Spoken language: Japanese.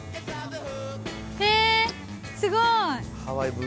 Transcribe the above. へー、すごい。